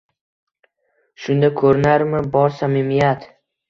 Shunda ko’rinarmi, bor samimiyat?